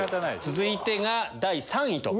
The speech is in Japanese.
続いてが第３位。